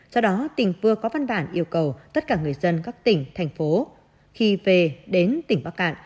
do đó tỉnh vừa có văn bản yêu cầu tất cả người dân các tỉnh thành phố khi về đến tỉnh bắc cạn